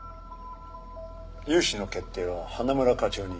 融資の決定は花村課長に。